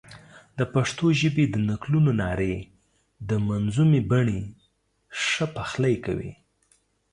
د پښتو ژبې د نکلونو نارې د منظومې بڼې ښه پخلی کوي.